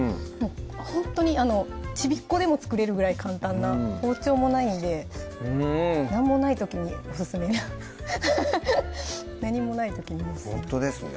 ほんとにちびっ子でも作れるぐらい簡単な包丁もないんで何もない時にオススメな何もない時にオススメほんとですね